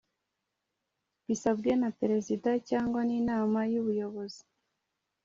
Bisabwe na Perezida cyangwa n inama y ubuyobozi